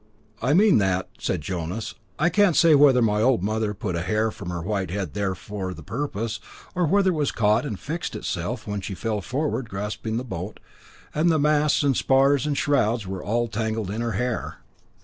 "I mean that," said Jonas. "I can't say whether my old mother put a hair from her white head there for the purpose, or whether it caught and fixed itself when she fell forward clasping the boat, and the masts and spars and shrouds were all tangled in her hair.